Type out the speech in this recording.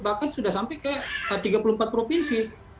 bahkan sudah sampai ke tiga puluh empat provinsi